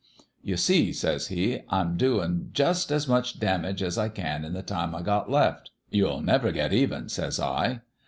"' You see,' says he, * I'm doin' jus' as much damage as I can in the time I got left.' "' You'll never get even,' says I.